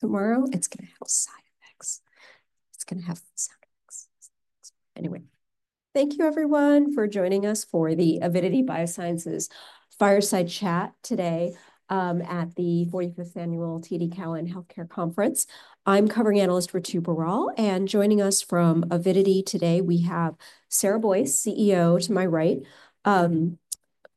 Tomorrow, it's going to have side effects. It's going to have sound effects. Anyway, thank you, everyone, for joining us for the Avidity Biosciences Fireside Chat today at the 45th Annual TD Cowen Healthcare Conference. I'm covering analyst Ritu Baral, and joining us from Avidity today, we have Sarah Boyce, CEO to my right,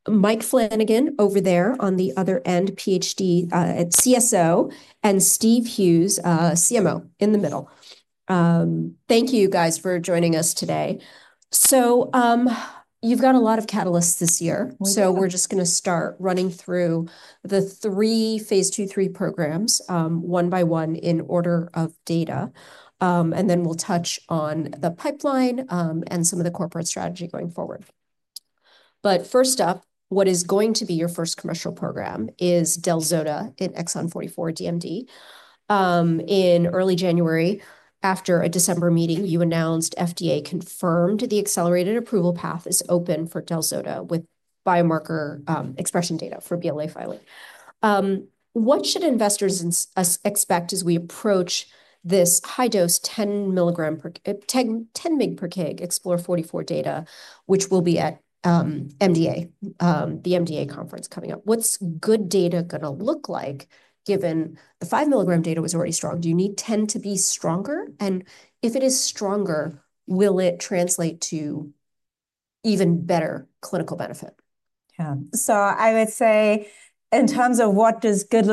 Mike Flanagan... PhD, our CSO and Steve Hughes, CMO in the middle. Thank you, guys, for joining us today. So you've got a lot of catalysts this year. So we're just going to start running through the three phase II/III programs, one by one in order of data. And then we'll touch on the pipeline and some of the corporate strategy going forward. But first up, what is going to be your first commercial program is del-zota in Exon 44 DMD. In early January, after a December meeting, you announced FDA confirmed the accelerated approval path is open for del-zota with biomarker expression data for BLA filing. What should investors expect as we approach this high-dose 10 mg/kg EXPLORE44 data, which will be at the MDA conference coming up? What's good data going to look like given the 5 mg data was already strong? Do you need 10 to be stronger? And if it is stronger, will it translate to even better clinical benefit? Yeah. So I would say, in terms of what does good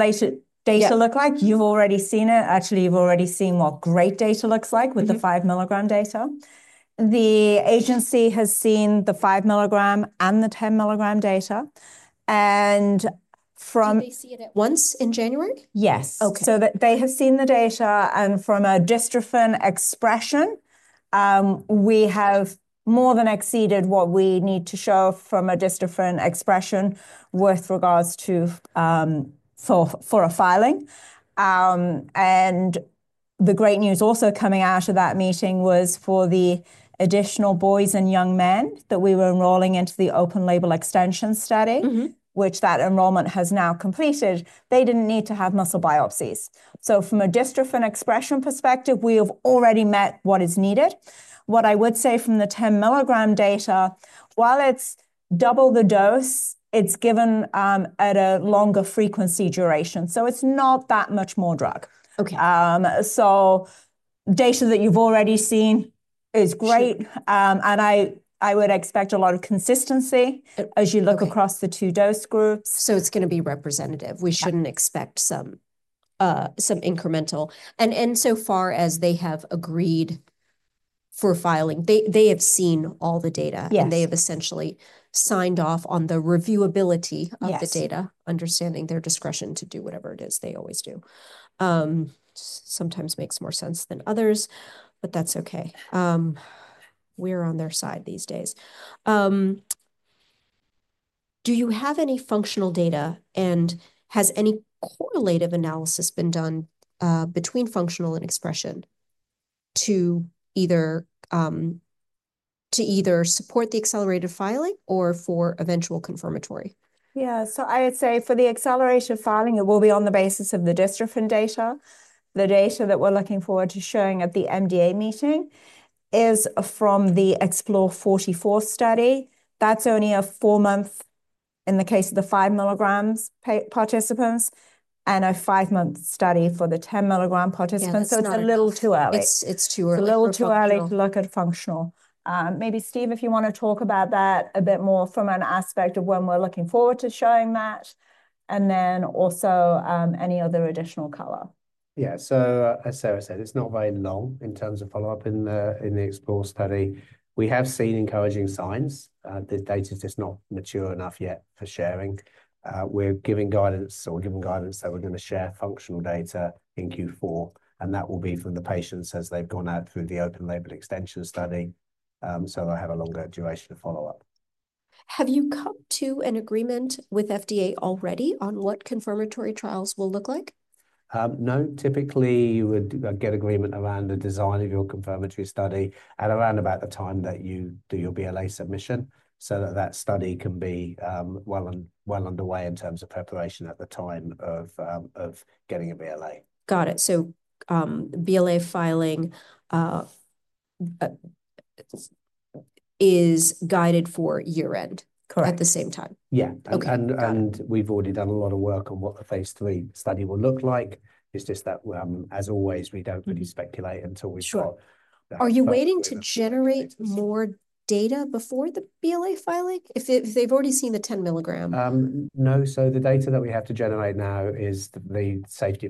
data look like, you've already seen it. Actually, you've already seen what great data looks like with the 5 mg data. The agency has seen the 5 mg and the 10 mg data. And from. Did they see it at once in January? Yes. So they have seen the data. And from a dystrophin expression, we have more than exceeded what we need to show from a dystrophin expression with regards to for a filing. And the great news also coming out of that meeting was for the additional boys and young men that we were enrolling into the open-label extension study, which that enrollment has now completed, they didn't need to have muscle biopsies. So from a dystrophin expression perspective, we have already met what is needed. What I would say from the 10 mg data, while it's double the dose, it's given at a longer frequency duration. So it's not that much more drug. So data that you've already seen is great. And I would expect a lot of consistency as you look across the two dose groups. It's going to be representative. We shouldn't expect some incremental. Insofar as they have agreed for filing, they have seen all the data. They have essentially signed off on the reviewability of the data, understanding their discretion to do whatever it is they always do. Sometimes makes more sense than others. That's OK. We're on their side these days. Do you have any functional data? Has any correlative analysis been done between functional and expression to either support the accelerated filing or for eventual confirmatory? Yeah. So I would say for the acceleration filing, it will be on the basis of the dystrophin data. The data that we're looking forward to showing at the MDA meeting is from the EXPLORE44 study. That's only a four-month, in the case of the 5 mg participants, and a five-month study for the 10 mg participants. So it's a little too early. It's too early. A little too early to look at functional. Maybe, Steve, if you want to talk about that a bit more from an aspect of when we're looking forward to showing that, and then also any other additional color. Yeah. So as Sarah said, it's not very long in terms of follow-up in the EXPLORE study. We have seen encouraging signs. The data is just not mature enough yet for sharing. We're giving guidance, or given guidance that we're going to share functional data in Q4. And that will be from the patients as they've gone out through the open-label extension study. So they'll have a longer duration of follow-up. Have you come to an agreement with FDA already on what confirmatory trials will look like? No. Typically, you would get agreement around the design of your confirmatory study at around about the time that you do your BLA submission so that that study can be well underway in terms of preparation at the time of getting a BLA. Got it. So BLA filing is guided for year-end at the same time. Yeah. And we've already done a lot of work on what the phase III study will look like. It's just that, as always, we don't really speculate until we've got. Are you waiting to generate more data before the BLA filing if they've already seen the 10 mg? No, so the data that we have to generate now is the safety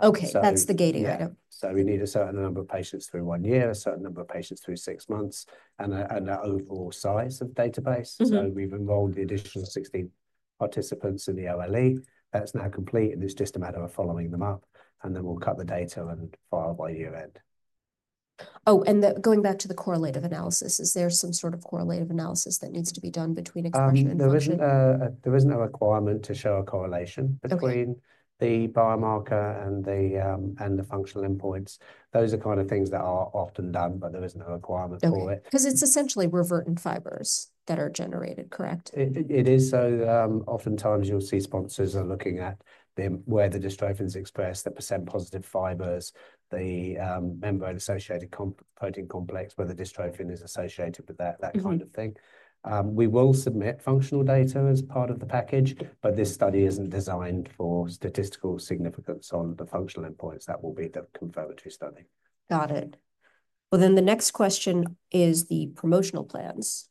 follow-up. OK. That's the gating item. So we need a certain number of patients through one year, a certain number of patients through six months, and an overall size of database. So we've involved the additional 16 participants in the OLE. That's now complete. And it's just a matter of following them up. And then we'll cut the data and file by year-end. Oh, and going back to the correlative analysis, is there some sort of correlative analysis that needs to be done between expression and dystrophin? There isn't a requirement to show a correlation between the biomarker and the functional endpoints. Those are kind of things that are often done. But there is no requirement for it. Because it's essentially revertant fibers that are generated, correct? It is, so oftentimes, you'll see sponsors are looking at where the dystrophin is expressed, the percent positive fibers, the membrane-associated protein complex where the dystrophin is associated with that kind of thing. We will submit functional data as part of the package, but this study isn't designed for statistical significance on the functional endpoints. That will be the confirmatory study. Got it. Well, then the next question is the promotional plans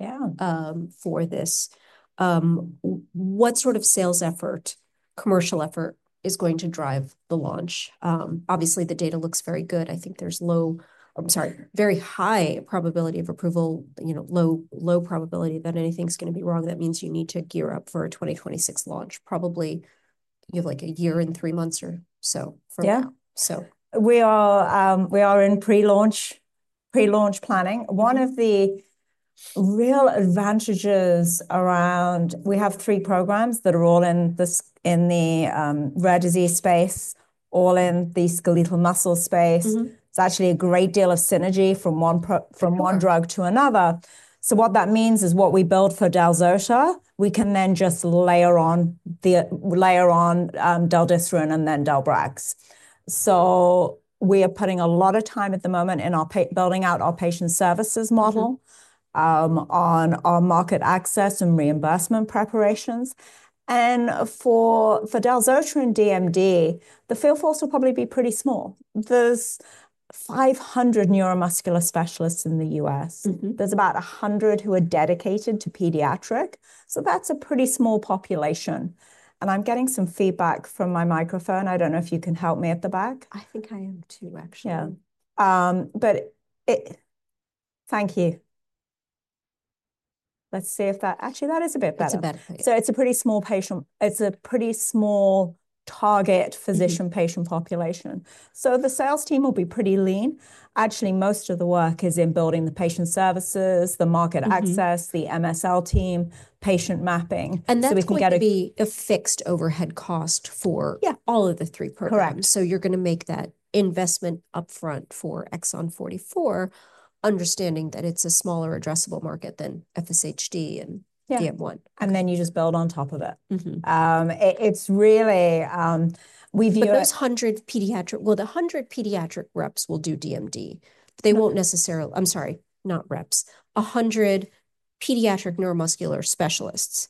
for this. What sort of sales effort, commercial effort, is going to drive the launch? Obviously, the data looks very good. I think there's low--I'm sorry, very high probability of approval, low probability that anything's going to be wrong. That means you need to gear up for a 2026 launch. Probably you have like a year and three months or so for that. Yeah. We are in pre-launch planning. One of the real advantages around, we have three programs that are all in the rare disease space, all in the skeletal muscle space. It's actually a great deal of synergy from one drug to another. So what that means is what we build for del-zota, we can then just layer on del-des and then del-brax. So we are putting a lot of time at the moment in building out our patient services model on our market access and reimbursement preparations. And for del-zota and DMD, the field force will probably be pretty small. There's 500 neuromuscular specialists in the U.S. There's about 100 who are dedicated to pediatric. So that's a pretty small population. And I'm getting some feedback from my microphone. I don't know if you can help me at the back. I think I am too, actually. Yeah. But thank you. Let's see if that, actually, that is a bit better. That's a better thing. So it's a pretty small target physician-patient population. So the sales team will be pretty lean. Actually, most of the work is in building the patient services, the market access, the MSL team, patient mapping. That's going to be a fixed overhead cost for all of the three programs. Correct. So you're going to make that investment upfront for Exon 44, understanding that it's a smaller addressable market than FSHD and DM1. And then you just build on top of it. It's really--we've used. Those 100 pediatric reps will do DMD. They won't necessarily. I'm sorry, not reps. 100 pediatric neuromuscular specialists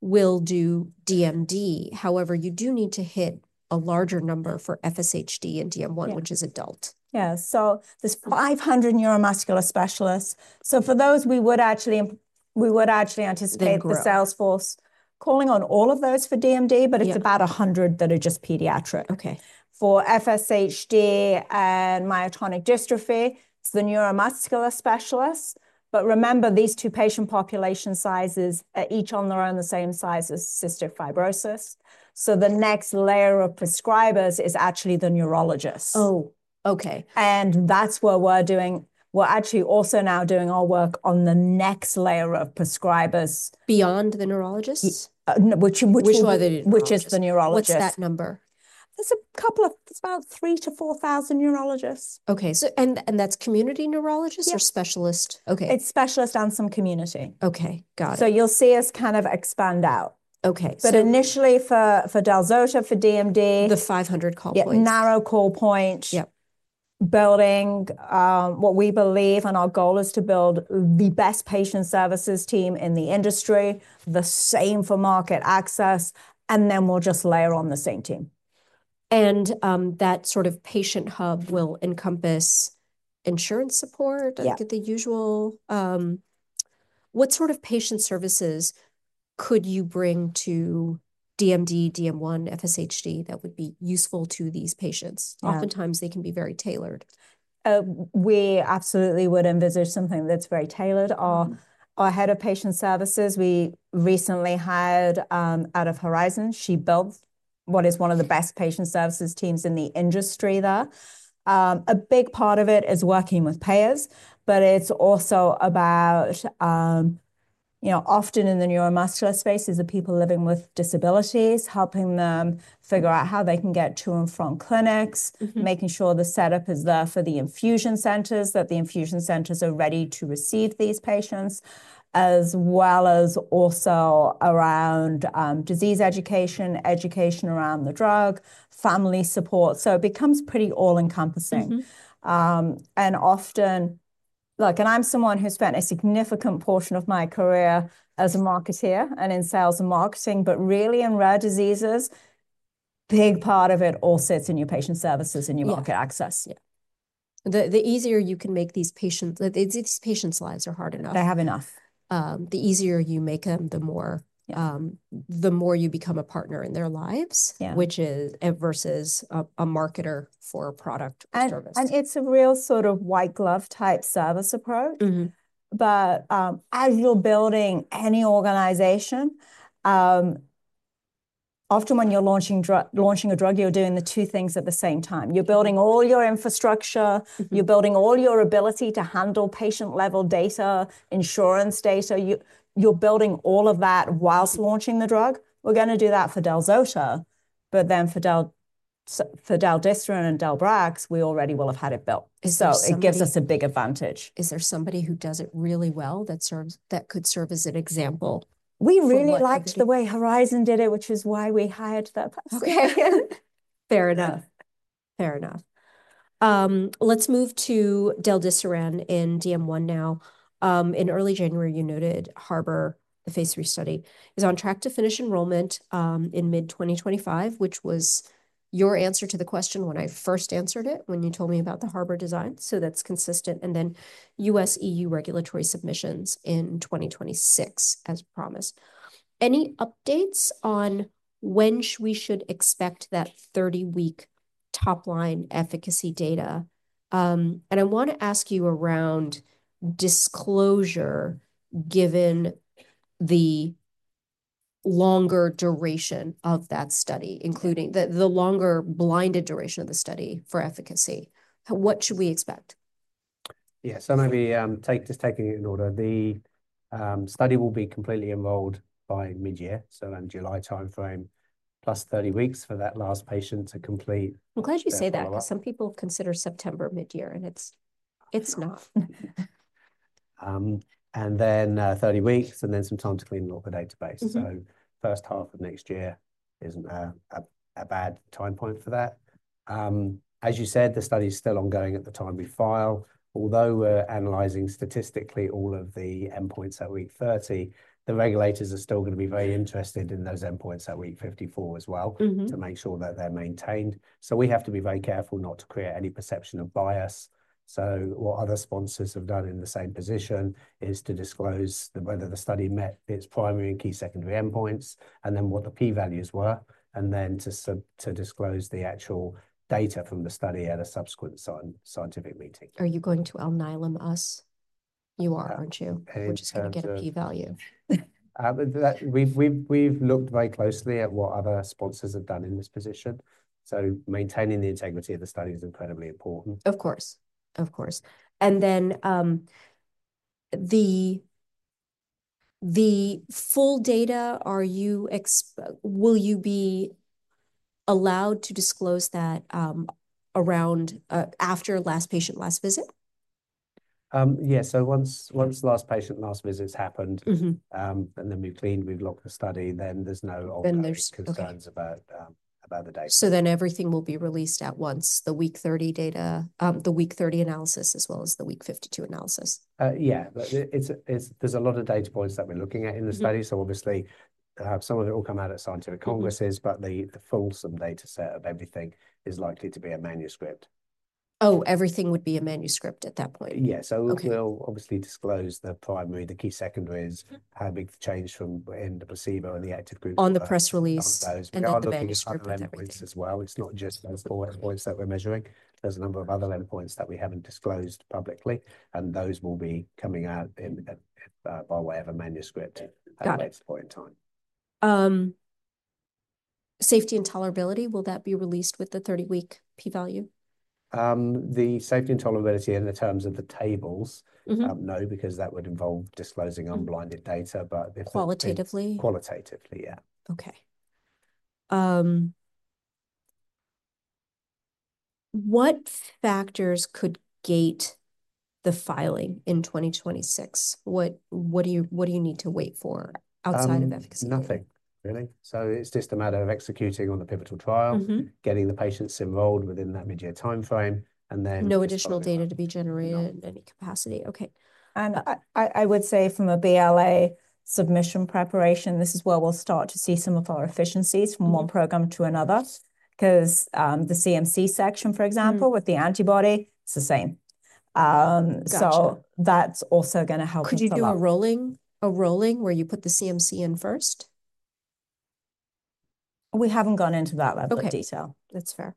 will do DMD. However, you do need to hit a larger number for FSHD and DM1, which is adult. Yeah. So this 500 neuromuscular specialists, so for those, we would actually anticipate the sales force calling on all of those for DMD. But it's about 100 that are just pediatric. For FSHD and myotonic dystrophy, it's the neuromuscular specialists. But remember, these two patient population sizes are each on their own the same size as cystic fibrosis. So the next layer of prescribers is actually the neurologists. Oh, OK. And that's where we're actually also now doing our work on the next layer of prescribers. Beyond the neurologists? Which is the neurologists. What's that number? It's about 3,000-4,000 neurologists. OK, and that's community neurologists or specialists? It's specialists and some community. OK. Got it. So you'll see us kind of expand out. OK. But initially, for del-zota, for DMD. The 500 call points. Narrow call points. Yep. Building what we believe and our goal is to build the best patient services team in the industry, the same for market access, and then we'll just layer on the same team. That sort of patient hub will encompass insurance support? Yeah. Like the usual? Yeah. What sort of patient services could you bring to DMD, DM1, FSHD that would be useful to these patients? Oftentimes, they can be very tailored. We absolutely would envisage something that's very tailored. Our head of patient services, we recently hired out of Horizon. She built what is one of the best patient services teams in the industry there. A big part of it is working with payers. But it's also about, often in the neuromuscular space, is the people living with disabilities, helping them figure out how they can get to and from clinics, making sure the setup is there for the infusion centers, that the infusion centers are ready to receive these patients, as well as also around disease education, education around the drug, family support. So it becomes pretty all-encompassing. And often, look, and I'm someone who spent a significant portion of my career as a marketer and in sales and marketing. But really, in rare diseases, a big part of it all sits in your patient services and your market access. Yeah. The easier you can make these patients--the patients' lives are hard enough. They have enough. The easier you make them, the more you become a partner in their lives, versus a marketer for a product or service. It's a real sort of white glove type service approach. As you're building any organization, often when you're launching a drug, you're doing the two things at the same time. You're building all your infrastructure. You're building all your ability to handle patient-level data, insurance data. You're building all of that while launching the drug. We're going to do that for del-zota. Then for del-des and del-brax, we already will have had it built. It gives us a big advantage. Is there somebody who does it really well that could serve as an example? We really liked the way Horizon did it, which is why we hired them. OK. Fair enough. Fair enough. Let's move to del-des and DM1 now. In early January, you noted Harbor, the phase III study, is on track to finish enrollment in mid-2025, which was your answer to the question when I first answered it, when you told me about the Harbor design. So that's consistent. And then U.S.-EU regulatory submissions in 2026, as promised. Any updates on when we should expect that 30-week top-line efficacy data? And I want to ask you around disclosure given the longer duration of that study, including the longer blinded duration of the study for efficacy. What should we expect? Yeah. So maybe just taking it in order. The study will be completely enrolled by mid-year, so around July time frame, plus 30 weeks for that last patient to complete. I'm glad you say that because some people consider September mid-year, and it's not. Then 30 weeks, and then some time to clean all the database. First half of next year isn't a bad time point for that. As you said, the study is still ongoing at the time we file. Although we're analyzing statistically all of the endpoints at week 30, the regulators are still going to be very interested in those endpoints at week 54 as well to make sure that they're maintained. We have to be very careful not to create any perception of bias. What other sponsors have done in the same position is to disclose whether the study met its primary and key secondary endpoints, and then what the p-values were, and then to disclose the actual data from the study at a subsequent scientific meeting. Are you going to Alnylam us? You are, aren't you, which is going to get a p-value? We've looked very closely at what other sponsors have done in this position. So maintaining the integrity of the study is incredibly important. Of course. Of course. And then the full data, will you be allowed to disclose that after last patient, last visit? Yeah, so once last patient, last visits happened, and then we've cleaned, we've locked the study, then there's no obvious concerns about the data. So then everything will be released at once, the week 30 analysis as well as the week 52 analysis. Yeah. There's a lot of data points that we're looking at in the study. So obviously, some of it will come out at scientific congresses. But the fulsome data set of everything is likely to be a manuscript. Oh, everything would be a manuscript at that point. Yeah. So we'll obviously disclose the primary, the key secondaries, how big the change from in the placebo and the active group. On the press release. And the other data points as well. It's not just those four endpoints that we're measuring. There's a number of other endpoints that we haven't disclosed publicly. And those will be coming out by way of a manuscript at a later point in time. Safety and tolerability, will that be released with the 30-week p-value? The safety and tolerability in the terms of the tables, no, because that would involve disclosing unblinded data. Qualitatively? Qualitatively, yeah. OK. What factors could gate the filing in 2026? What do you need to wait for outside of efficacy data? Nothing, really. So it's just a matter of executing on the pivotal trial, getting the patients enrolled within that mid-year time frame, and then. No additional data to be generated in any capacity. OK. And I would say from a BLA submission preparation, this is where we'll start to see some of our efficiencies from one program to another. Because the CMC section, for example, with the antibody, it's the same. So that's also going to help us. Could you do a rolling where you put the CMC in first? We haven't gone into that level of detail. OK. That's fair.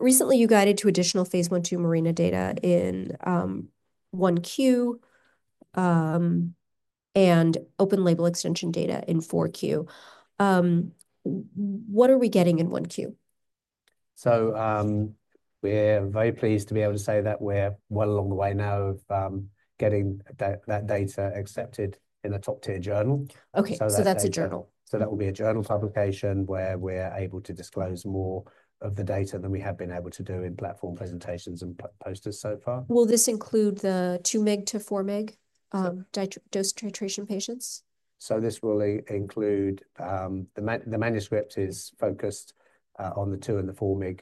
Recently, you guided to additional phase I/II MARINA data in Q1 and open-label extension data in Q4. What are we getting in Q1? So we're very pleased to be able to say that we're well along the way now of getting that data accepted in a top-tier journal. OK, so that's a journal. So that will be a journal publication where we're able to disclose more of the data than we have been able to do in platform presentations and posters so far. Will this include the 2 mg-4 mg dose titration patients? This will include the manuscript is focused on the 2 mg and 4 mg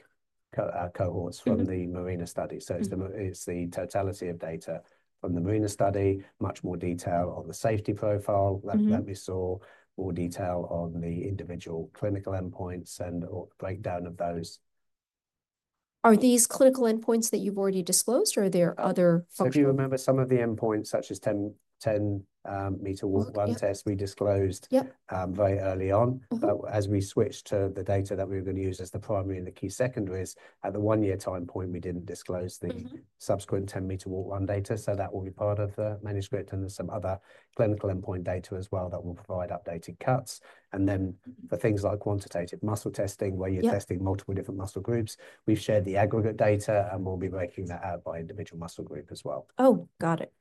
cohorts from the MARINA study. It's the totality of data from the MARINA study, much more detail on the safety profile that we saw, more detail on the individual clinical endpoints and breakdown of those. Are these clinical endpoints that you've already disclosed, or are there other functions? If you remember, some of the endpoints, such as 10-meter walk run test we disclosed very early on, as we switched to the data that we were going to use as the primary and the key secondaries, at the one-year time point, we didn't disclose the subsequent 10-meter walk run data. So that will be part of the manuscript. And there's some other clinical endpoint data as well that will provide updated cuts. And then for things like quantitative muscle testing, where you're testing multiple different muscle groups, we've shared the aggregate data. And we'll be breaking that out by individual muscle group as well. Oh, got it.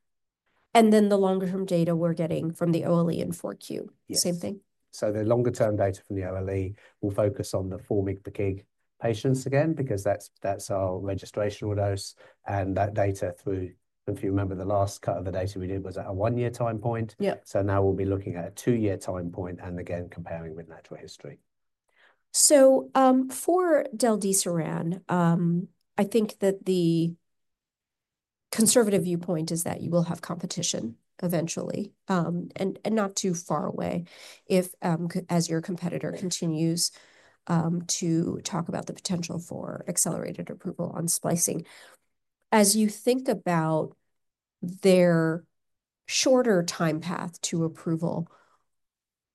And then the longer-term data we're getting from the OLE in Q4, same thing? The longer-term data from the OLE will focus on the 4 mg/kg patients again, because that's our registrational dose. That data through, if you remember, the last cut of the data we did was at a one-year time point. Now we'll be looking at a two-year time point and again comparing with natural history. So for del-des, I think that the conservative viewpoint is that you will have competition eventually, and not too far away, as your competitor continues to talk about the potential for accelerated approval on splicing. As you think about their shorter time path to approval,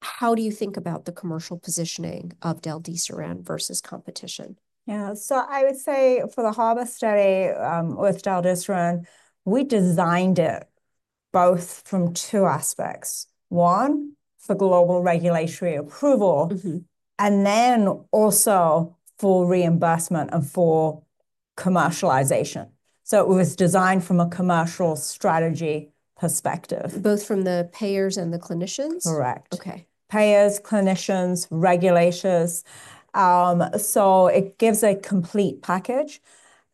how do you think about the commercial positioning of del-des versus competition? Yeah, so I would say for the HARBOR study with del-des, we designed it both from two aspects. One, for global regulatory approval, and then also for reimbursement and for commercialization, so it was designed from a commercial strategy perspective. Both from the payers and the clinicians? Correct. OK. Payers, clinicians, regulators. So it gives a complete package.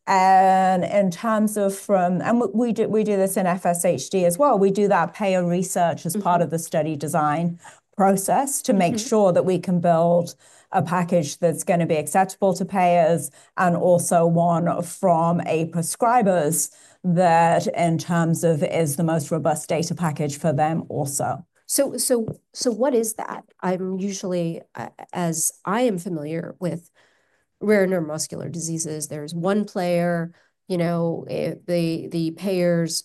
And in terms of form, we do this in FSHD as well, we do that payer research as part of the study design process to make sure that we can build a package that's going to be acceptable to payers and also one from a prescriber's that, in terms of, is the most robust data package for them also. So what is that? I'm usually, as I am, familiar with rare neuromuscular diseases. There's one player. The payers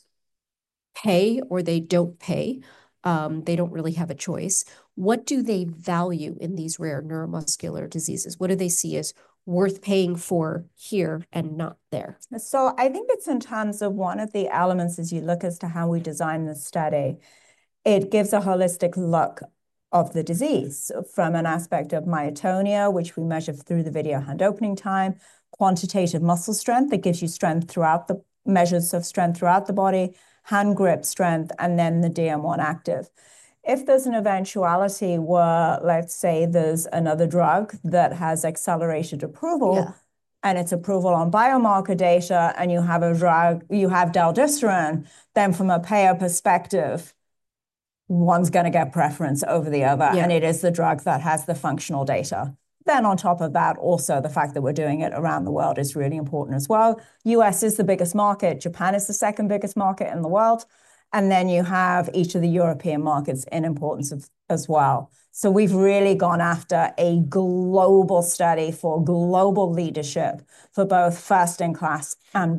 pay or they don't pay. They don't really have a choice. What do they value in these rare neuromuscular diseases? What do they see as worth paying for here and not there? I think it's in terms of one of the elements as you look as to how we design the study. It gives a holistic look of the disease from an aspect of myotonia, which we measure through the video hand opening time, quantitative muscle strength that gives you strength throughout the measures of strength throughout the body, hand grip strength, and then the DM1-Activ. If there's an eventuality where, let's say, there's another drug that has accelerated approval, and it's approval on biomarker data, and you have a drug, you have del-des, then from a payer perspective, one's going to get preference over the other. And it is the drug that has the functional data. Then on top of that, also the fact that we're doing it around the world is really important as well. U.S. is the biggest market. Japan is the second biggest market in the world. And then you have each of the European markets in importance as well. So we've really gone after a global study for global leadership for both first-in-class and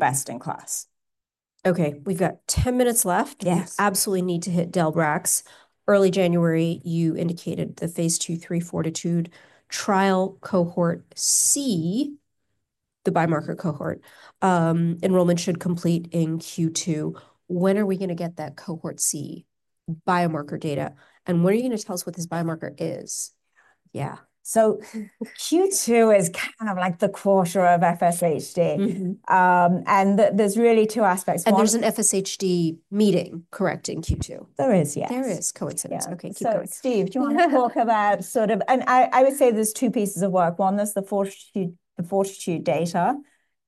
best-in-class. OK. We've got 10 minutes left. Yes. Absolutely need to hit rapid fire. Early January, you indicated the phase II/III Exon 44 trial cohort C, the biomarker cohort. Enrollment should complete in Q2. When are we going to get that cohort C biomarker data? And what are you going to tell us what this biomarker is? Yeah. So, Q2 is kind of like the quarter of FSHD, and there's really two aspects. There's an FSHD meeting correct in Q2. There is, yes. There is coincidence. OK. So, Steve, do you want to talk about sort of, and I would say there's two pieces of work. One is the FORTITUDE data.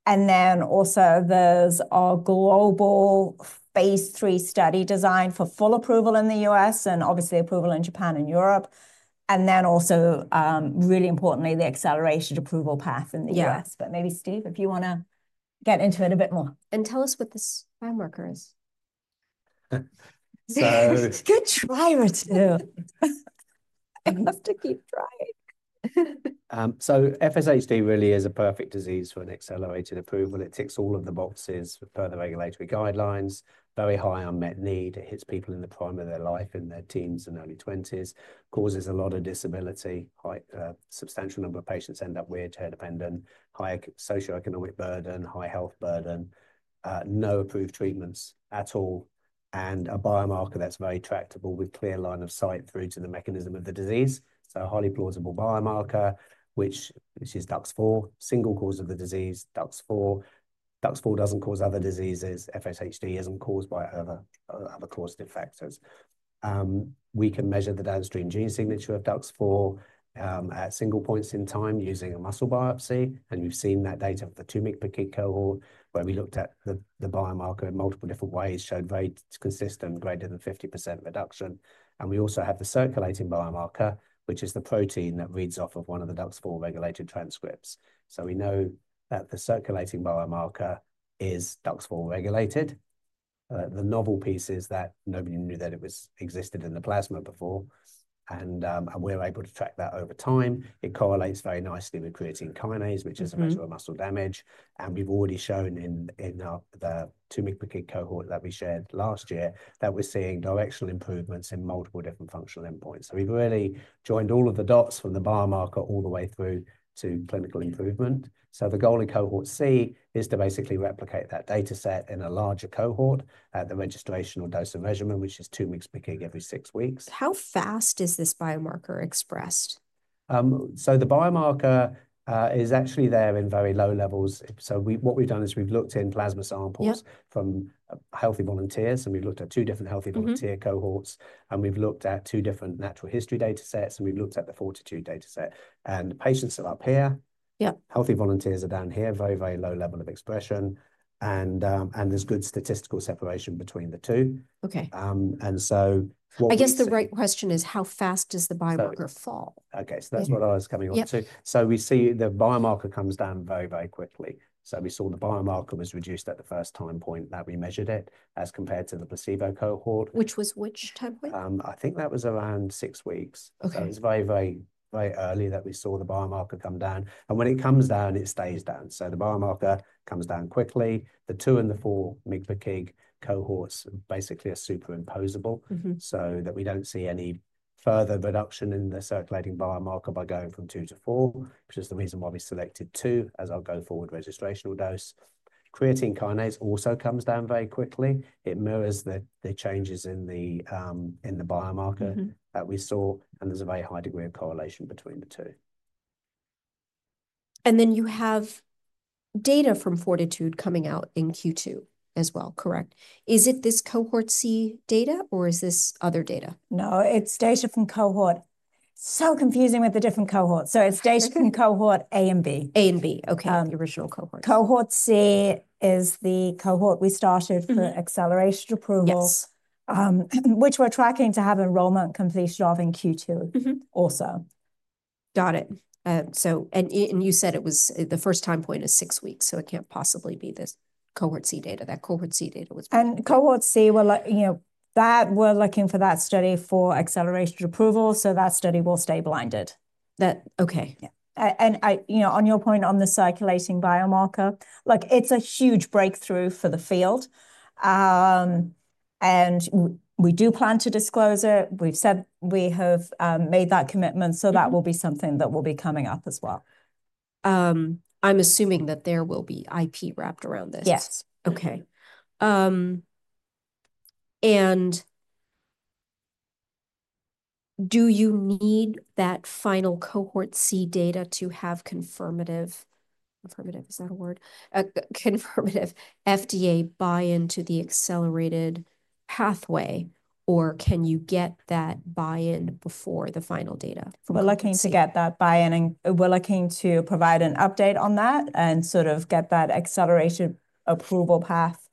And then also there's our global phase III study designed for full approval in the U.S. and obviously approval in Japan and Europe. And then also, really importantly, the accelerated approval path in the U.S. But maybe Steve, if you want to get into it a bit more. Tell us what this biomarker is? Good. Trying to. You have to keep trying. FSHD really is a perfect disease for an accelerated approval. It ticks all of the boxes for further regulatory guidelines, very high unmet need. It hits people in the prime of their life, in their teens and early 20s. Causes a lot of disability. A substantial number of patients end up wheelchair dependent, high socioeconomic burden, high health burden, no approved treatments at all. A biomarker that's very tractable with clear line of sight through to the mechanism of the disease. A highly plausible biomarker, which is DUX4, single cause of the disease, DUX4. DUX4 doesn't cause other diseases. FSHD isn't caused by other causative factors. We can measure the downstream gene signature of DUX4 at single points in time using a muscle biopsy. And we've seen that data for the 2 mg/kg cohort, where we looked at the biomarker in multiple different ways, showed very consistent greater than 50% reduction. And we also have the circulating biomarker, which is the protein that reads off of one of the DUX4 regulated transcripts. So we know that the circulating biomarker is DUX4 regulated. The novel piece is that nobody knew that it existed in the plasma before. And we're able to track that over time. It correlates very nicely with creatine kinase, which is a measure of muscle damage. And we've already shown in the 2 mg/kg cohort that we shared last year that we're seeing directional improvements in multiple different functional endpoints. So we've really joined all of the dots from the biomarker all the way through to clinical improvement. The goal in Cohort C is to basically replicate that data set in a larger cohort at the registrational dose of measurement, which is 2 mg/kg every six weeks. How fast is this biomarker expressed? So the biomarker is actually there in very low levels. So what we've done is we've looked in plasma samples from healthy volunteers. And we've looked at two different healthy volunteer cohorts. And we've looked at two different natural history data sets. And we've looked at the FORTITUDE data set. And patients are up here. Yeah. Healthy volunteers are down here, very, very low level of expression, and there's good statistical separation between the two. OK. And so. I guess the right question is, how fast does the biomarker fall? OK. So that's what I was coming on to. So we see the biomarker comes down very, very quickly. So we saw the biomarker was reduced at the first time point that we measured it as compared to the placebo cohort. Which was which time point? I think that was around six weeks. OK. So it was very, very, very early that we saw the biomarker come down. And when it comes down, it stays down. So the biomarker comes down quickly. The 2 and the 4 mg/kg cohorts basically are superimposable so that we don't see any further reduction in the circulating biomarker by going from 2 to 4, which is the reason why we selected 2 as our go forward registrational dose. Creatine kinase also comes down very quickly. It mirrors the changes in the biomarker that we saw. And there's a very high degree of correlation between the two. And then you have data from FORTITUDE coming out in Q2 as well, correct? Is it this Cohort C data, or is this other data? No. It's data from cohort, so confusing with the different cohorts, so it's data from Cohort A and B. A and B. OK. The original cohort. Cohort C is the cohort we started for accelerated approval, which we're tracking to have enrollment completion of in Q2 also. Got it. And you said it was the first time point is six weeks. So it can't possibly be this Cohort C data. That Cohort C data was. And Cohort C, we're looking for that study for accelerated approval. So that study will stay blinded. OK. On your point on the circulating biomarker, look, it's a huge breakthrough for the field. We do plan to disclose it. We've said we have made that commitment. That will be something that will be coming up as well. I'm assuming that there will be IP wrapped around this. Yes. OK, and do you need that final Cohort C data to have confirmative, confirmative, is that a word? Confirmative FDA buy-in to the accelerated pathway? Or can you get that buy-in before the final data? We're looking to get that buy-in, and we're looking to provide an update on that and sort of get that accelerated approval path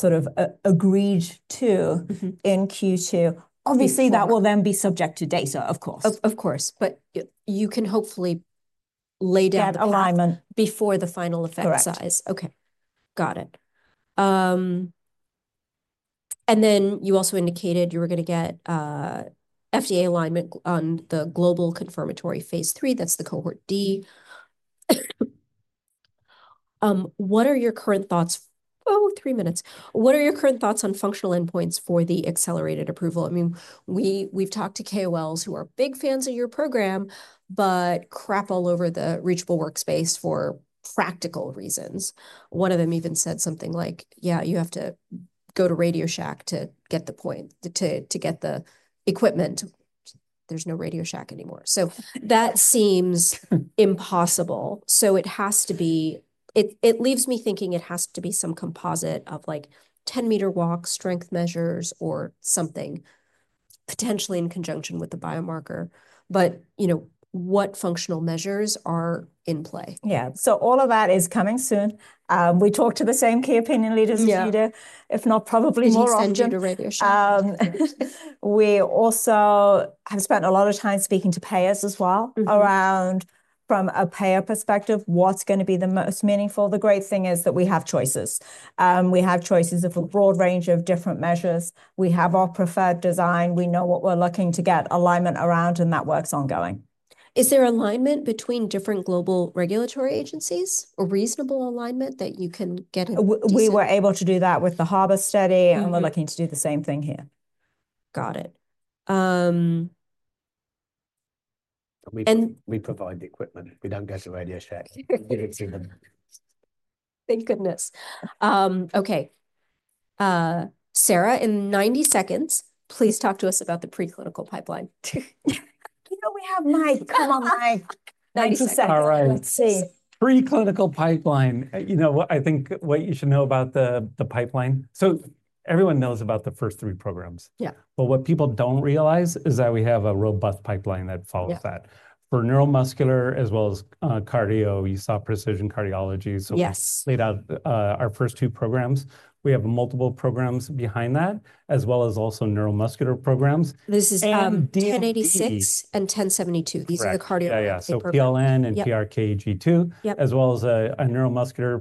sort of agreed to in Q2. Obviously, that will then be subject to data, of course. Of course. But you can hopefully lay down. Get alignment. Before the final effect size. Correct. OK. Got it. And then you also indicated you were going to get FDA alignment on the global confirmatory phase III. That's the Cohort D. What are your current thoughts, oh, three minutes. What are your current thoughts on functional endpoints for the accelerated approval? I mean, we've talked to KOLs who are big fans of your program, but crap all over the reachable workspace for practical reasons. One of them even said something like, yeah, you have to go to RadioShack to get the point, to get the equipment. There's no RadioShack anymore. So that seems impossible. So it has to be. It leaves me thinking it has to be some composite of like 10-meter walk, strength measures, or something, potentially in conjunction with the biomarker. But what functional measures are in play? Yeah. So all of that is coming soon. We talked to the same key opinion leaders in Sweden. If not, probably more often. We'll send you to RadioShack. We also have spent a lot of time speaking to payers as well around, from a payer perspective, what's going to be the most meaningful. The great thing is that we have choices. We have choices of a broad range of different measures. We have our preferred design. We know what we're looking to get alignment around. And that work's ongoing. Is there alignment between different global regulatory agencies or reasonable alignment that you can get? We were able to do that with the HARBOR study, and we're looking to do the same thing here. Got it. We provide the equipment. We don't go to RadioShack. We give it to them. Thank goodness. OK. Sarah, in 90 seconds, please talk to us about the preclinical pipeline. You know, we have 90. Come on, 90 seconds. Let's see. Preclinical pipeline. You know what I think you should know about the pipeline, so everyone knows about the first three programs. Yeah. But what people don't realize is that we have a robust pipeline that follows that. For neuromuscular as well as cardio, you saw precision cardiology. Yes. So we laid out our first two programs. We have multiple programs behind that, as well as also neuromuscular programs. This is 1086 and 1072. These are the cardio pipeline. Yeah. So PLN and PRKAG2, as well as a neuromuscular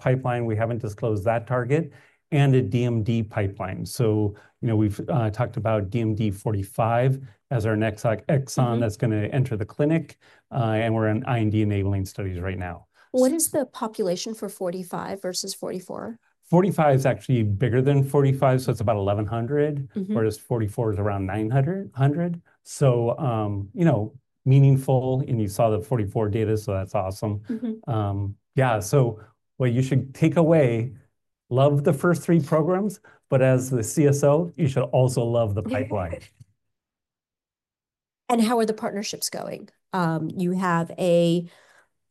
pipeline. We haven't disclosed that target. And a DMD pipeline. So we've talked about DMD45 as our next exon that's going to enter the clinic. And we're in IND-enabling studies right now. What is the population for 45 versus 44? 45 is actually bigger than 44. It's about 1,100, whereas 44 is around 900. Meaningful. You saw the 44 data. That's awesome. Yeah. What you should take away: love the first three programs. As the CSO, you should also love the pipeline. How are the partnerships going? You have a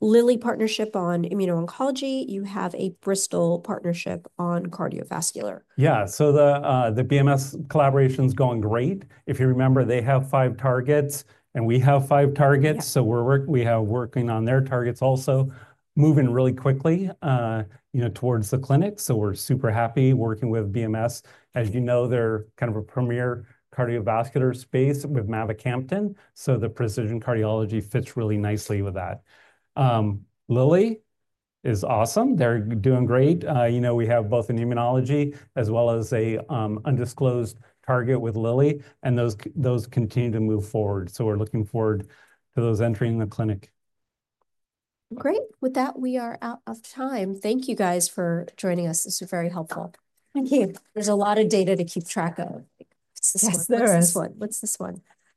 Lilly partnership on immuno-oncology. You have a Bristol partnership on cardiovascular. Yeah. So the BMS collaboration's going great. If you remember, they have five targets and we have five targets. So we're working on their targets also, moving really quickly towards the clinic. So we're super happy working with BMS. As you know, they're kind of a premier cardiovascular space with mavacamten. So the precision cardiology fits really nicely with that. Lilly is awesome. They're doing great. We have both an immunology as well as an undisclosed target with Lilly and those continue to move forward. So we're looking forward to those entering the clinic. Great. With that, we are out of time. Thank you, guys, for joining us. This was very helpful. Thank you. There's a lot of data to keep track of. Yes. What's this one? What's this one?